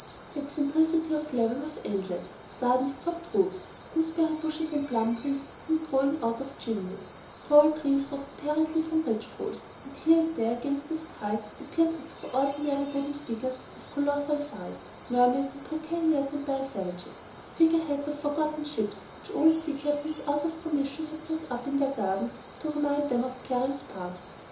The eccentricity of level was endless, gardens topped roofs, gooseberry bushes and plum trees seemed growing out of chimneys, tall trees rose apparently from ridge poles, and here and there against the sky appeared extraordinary wooden figures of colossal size, Mermaids and Britannias and Belle Savages, figure heads of forgotten ships which old sea captains out of commission had set up in their gardens to remind them of perils past.